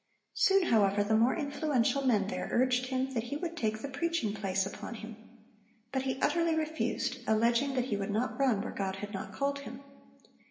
Soon, however, the more influential men there urged him 'that he would take the preaching place upon him. But he utterly refused, alleging that he would not run where God had not called him....